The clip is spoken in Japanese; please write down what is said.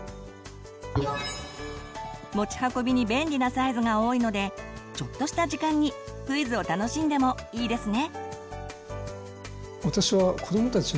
持ち運びに便利なサイズが多いのでちょっとした時間にクイズを楽しんでもいいですね。